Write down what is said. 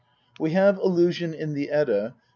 We have allusion in the Edda (pp.